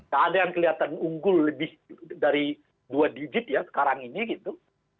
keadaan kelihatan unggul lebih dari dua digit ya sekarang ini gitu